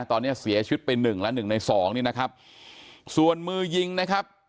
ตอนนี้เสียชุดเป็น๑ละ๑ใน๒นี่นะครับส่วนมือยิงนะครับ